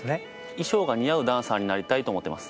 衣装が似合うダンサーになりたいと思ってます。